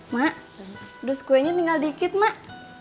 mak dus kuenya tinggal dikit mak